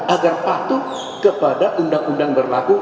agar patuh kepada undang undang berlaku